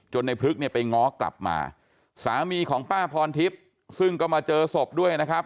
ในพลึกเนี่ยไปง้อกลับมาสามีของป้าพรทิพย์ซึ่งก็มาเจอศพด้วยนะครับ